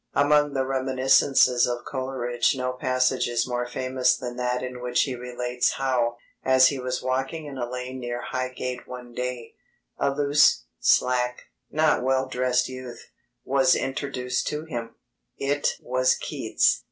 Among the reminiscences of Coleridge no passage is more famous than that in which he relates how, as he was walking in a lane near Highgate one day, a "loose, slack, not well dressed youth" was introduced to him: It was Keats.